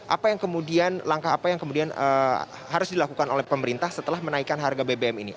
apa yang kemudian langkah apa yang kemudian harus dilakukan oleh pemerintah setelah menaikkan harga bbm ini